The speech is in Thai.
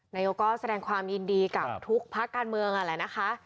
นายกก็แสดงความยินดีกับทุกพักการเมืองนั่นแหละนะคะ